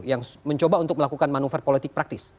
yang mencoba untuk melakukan manuver politik praktis